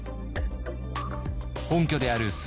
本拠である駿